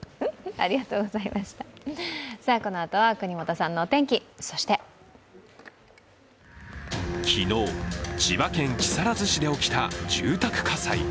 このあとは國本さんのお天気、そして昨日、千葉県木更津市で起きた住宅火災。